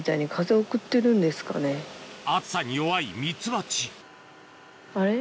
暑さに弱いミツバチあれ？